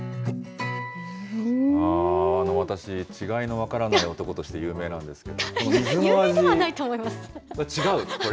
私、違いの分からない男として有名なんですけども、水の味が違う？